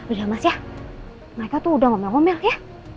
udah mas ya mereka tuh udah ngomel ngomel ya